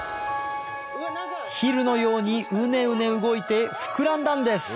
ヒルのようにうねうね動いて膨らんだんです